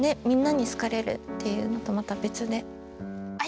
みんなに好かれるっていうのとまた別で。